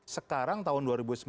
sekarang tahun dua ribu sembilan belas